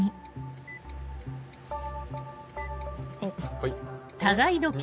はい。